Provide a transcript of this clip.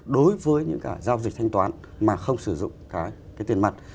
đối với những cả giao dịch thanh toán mà không sử dụng cái tiền mặt